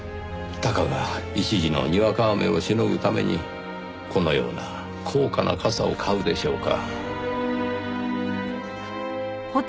たかが一時のにわか雨をしのぐためにこのような高価な傘を買うでしょうか？